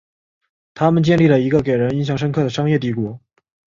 他们建立了一个给人印象深刻的商业帝国。